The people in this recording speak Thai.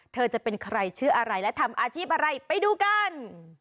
จะเป็นใครชื่ออะไรและทำอาชีพอะไรไปดูกัน